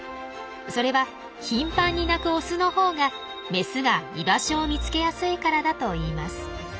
それは頻繁に鳴くオスのほうがメスが居場所を見つけやすいからだといいます。